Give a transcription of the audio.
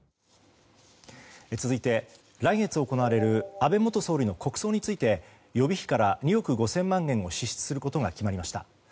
続いて、来月行われる安倍元総理の国葬について予備費から２億５０００万円を支出することが決まりました。